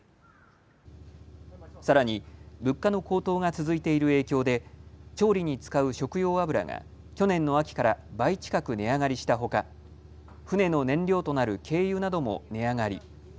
さらに物価の高騰が続いている影響で調理に使う食用油が去年の秋から倍近く値上がりしたほか船の燃料となる軽油なども値上がり。